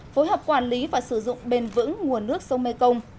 phối hợp quản lý và sử dụng bền vững nguồn nước sông mekong